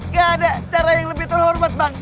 gak ada cara yang lebih terhormat bang